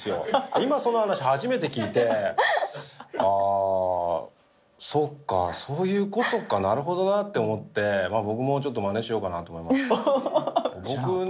今その話初めて聞いてあそっかそういうことかなるほどなって思ってまあ僕もちょっとマネしようかなと思います